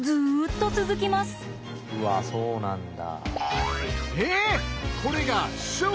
うわそうなんだ。